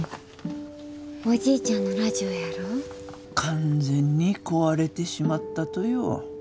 完全に壊れてしまったとよ。